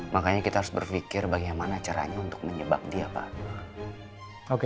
makanya kita harus berpikir bagaimana caranya untuk menyebab dia pak